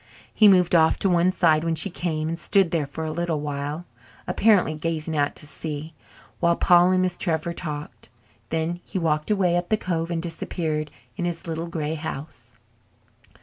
He moved off to one side when she came and stood there for a little, apparently gazing out to sea, while Paul and Miss Trevor talked. Then he walked away up the cove and disappeared in his little grey house.